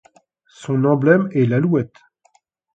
Son emblème est l'alouette.